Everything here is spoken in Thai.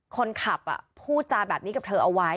คนขับพูดจาแบบนี้กับเธอเอาไว้